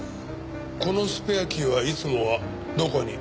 このスペアキーはいつもはどこに？